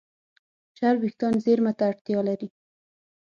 چرب وېښتيان زېرمه ته اړتیا لري.